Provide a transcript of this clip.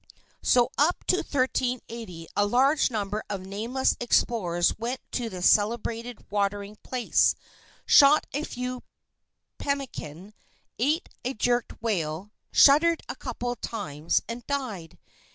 So up to 1380 a large number of nameless explorers went to this celebrated watering place, shot a few pemmican, ate a jerked whale, shuddered a couple of times, and died.